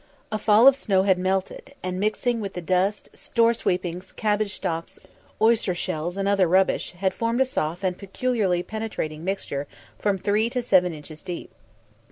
A fall of snow had thawed, and mixing with the dust, store sweepings, cabbage stalks, oyster shells, and other rubbish, had formed a soft and peculiarly penetrating mixture from three to seven inches deep.